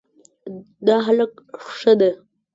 دا هلک ښه ده